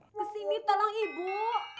kesini tolong ibu